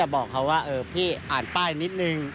บอกเขาว่าพี่อ่านป้ายนิดนึง